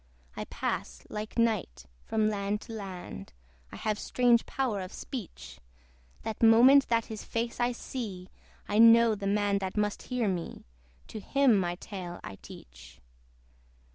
I pass, like night, from land to land; I have strange power of speech; That moment that his face I see, I know the man that must hear me: To him my tale I teach.